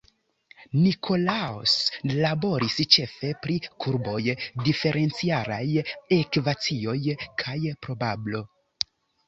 Nicolaus laboris ĉefe pri kurboj, diferencialaj ekvacioj, kaj probablo.